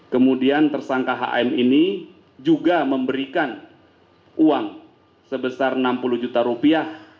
kemudian tersangka hm ini juga memberikan uang sebesar enam puluh juta rupiah